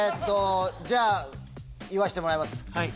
じゃあ言わしてもらいます。